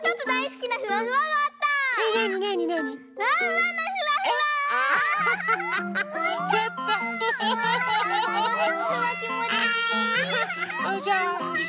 きもちいい！